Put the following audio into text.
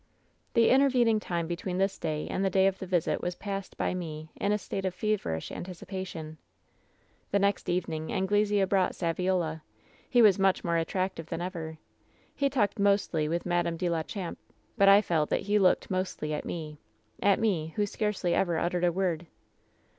"The intervening time between this day and the day of the visit was passed by me in a state of feverish an ticipation. "The next evening Anglesea brought Saviola. He was much more attractive than ever. He talked mostly with Madame de la Champe, but I felt that he looked mostly at me — at me, who scarcely ever uttered a word.